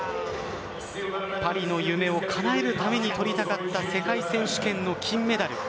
パリの夢をかなえるためにとりたかった世界選手権の金メダル。